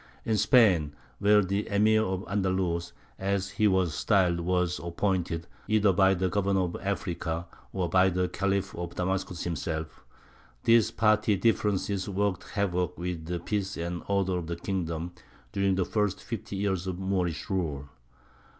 In Spain, where the "Emīr of Andalus," as he was styled, was appointed either by the Governor of Africa or by the Khalif of Damascus himself, these party differences worked havoc with the peace and order of the kingdom during the first fifty years of Moorish rule.